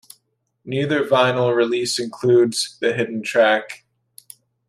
Neither vinyl release includes the hidden track.